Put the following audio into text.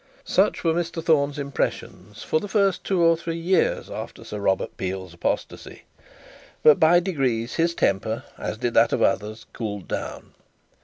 Such were Mr Thorne's impressions for the first two or three years after Sir Robert Peel's apostasy; but by degrees his temper, as did that of others, cooled down.